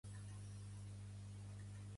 Pertany al moviment independentista el Crispin?